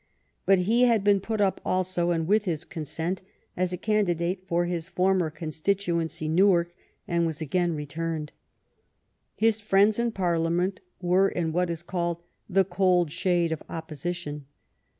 But he had been put up also, and with his consent, as a candidate for his former constituency, Newark, and was again returned. His friends in Parliament were in what is called the cold shade of opposition.